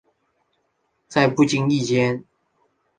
在不经意间